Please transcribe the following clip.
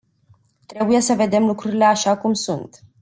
Trebuie să vedem lucrurile așa cum sunt.